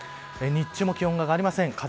日中も気温が上がりません。